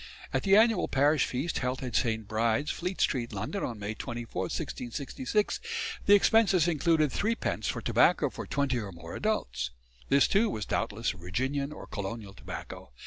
At the annual parish feast held at St. Bride's, Fleet Street, London, on May 24, 1666, the expenses included 3d. for tobacco for twenty or more adults. This too was doubtless Virginian or colonial tobacco.